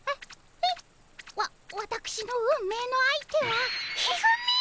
わわたくしの運命の相手は一二三！？